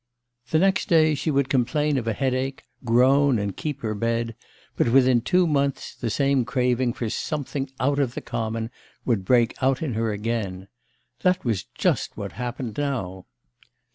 The next day she would complain of a headache, groan and keep her bed; but within two months the same craving for something 'out of the common' would break out in her again. That was just what happened now.